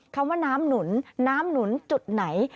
คำว่าน้ำหนุนน้ำหนุนจุดไหน